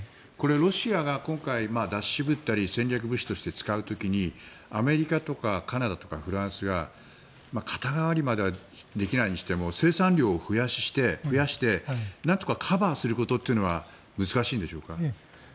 ロシアが今回戦略物資として使う時にアメリカとかカナダとかフランスが肩代わりまではできないにしても生産量を増やして何とかカバーすることは難しいんでしょうか。